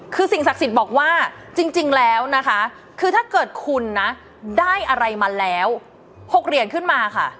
คือสิ่งศักดิ์สิทธิ์บอกว่าจริงแล้วนะคะคือถ้าเกิดคุณนะได้อะไรมาแล้ว๖เหรียญขึ้นมาค่ะ